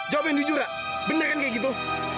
jawab yang jujur rek bener kan kayak gitu